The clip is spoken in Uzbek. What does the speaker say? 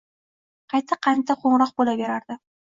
Qayta qayta qo'ng'iroq bo'laverardi